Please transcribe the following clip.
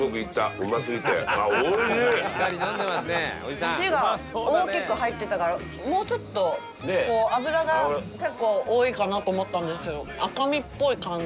差しが大きく入ってたからもうちょっと脂が結構多いかなと思ったんですけど赤身っぽい感じ。